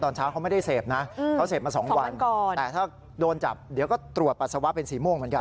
ตอนเช้าเขาไม่ได้เสพนะเขาเสพมา๒วันแต่ถ้าโดนจับเดี๋ยวก็ตรวจปัสสาวะเป็นสีม่วงเหมือนกัน